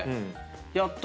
やった！